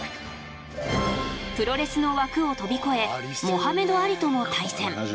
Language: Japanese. プロレスの枠を飛び越えモハメド・アリとも対戦。